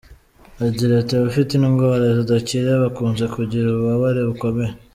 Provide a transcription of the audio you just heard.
Agira ati “Abafite indwara zidakira bakunze kugira ububabare bukomeye.